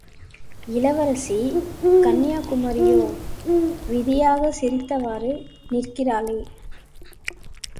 இளவரசி கன்யாகுமரியோ, விதியாகச் சிரித்தவாறு நிற்கிறாளே?